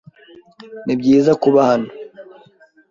Nibyiza kuba hano.